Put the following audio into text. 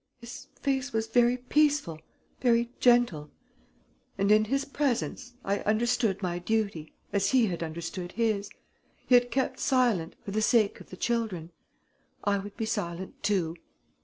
His face was very peaceful, very gentle.... And, in his presence, I understood my duty, as he had understood his.... He had kept silent, for the sake of the children. I would be silent too.